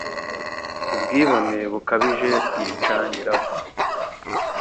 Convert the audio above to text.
Ubwibone bukabije bwica nyirabwo